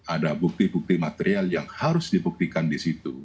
ada bukti bukti material yang harus dibuktikan di situ